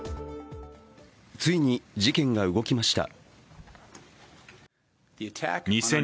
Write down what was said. ついに事件が動きました。